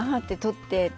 って。